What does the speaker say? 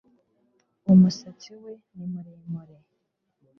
Umusatsi we ni muremure